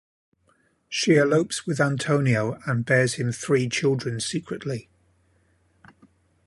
She elopes with Antonio and bears him three children secretly.